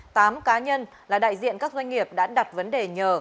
tám cá nhân là đại diện các doanh nghiệp đã đặt vấn đề nhờ